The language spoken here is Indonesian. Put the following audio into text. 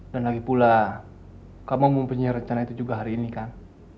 dan lagipula kamu mempunyai rencana itu juga hari ini kan